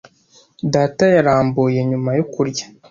Data yarambuye nyuma yo kurya.